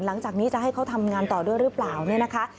หลังจากนี้จะให้เขาทำงานต่อด้วยหรือเปล่าเนี่ยนะคะ